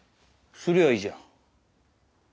すりゃいいじゃん。